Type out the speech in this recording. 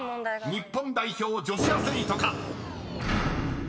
［日本代表女子アスリートか？］